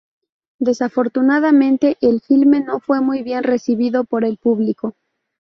Desafortunadamente, el filme no fue muy bien recibido por el público.